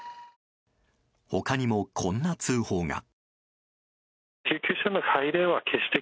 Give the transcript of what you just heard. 他にもこんな通報が。